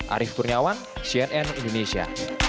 arief turniawan cnn indonesia